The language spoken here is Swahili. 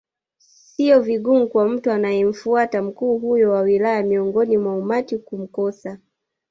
Sio vigumu kwa mtu anayemtafuta mkuu huyu wa wilaya miongoni mwa umati kumkosa